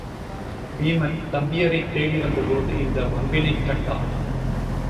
வீமன் தம்பியரைத் தேடி வந்த போது இந்த வம்பினைக் கண்டான்.